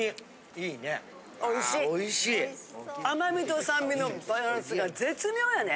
甘味と酸味のバランスが絶妙やね。